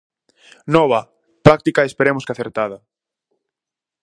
Nova, práctica e esperemos que acertada.